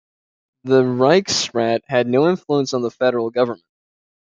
The Reichsrat had no influence on the federal government.